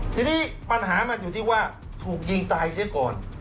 ทีนี้ปัญหามันอยู่ที่ว่าถูกยิงตายเสียก่อน